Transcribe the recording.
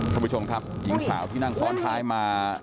ท่านผู้ชมครับหญิงสาวที่นั่งซ้อนท้ายมา